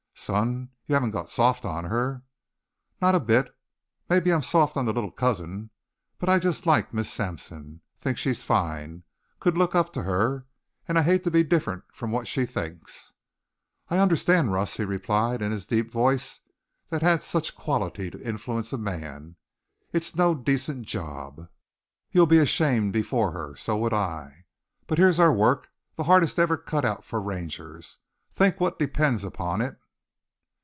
"Son, you haven't got soft on her?" "Not a bit. Maybe I'm soft on the little cousin. But I just like Miss Sampson think she's fine could look up to her. And I hate to be different from what she thinks." "I understand, Russ," he replied in his deep voice that had such quality to influence a man. "It's no decent job. You'll be ashamed before her. So would I. But here's our work, the hardest ever cut out for Rangers. Think what depends upon it.